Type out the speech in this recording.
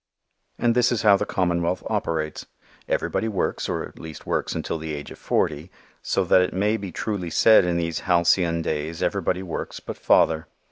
And this is how the commonwealth operates. Everybody works or at least works until the age of forty, so that it may be truly said in these halcyon days everybody works but father.